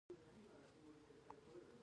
یې ونې ولاړې وې، له ځان سره مې وویل.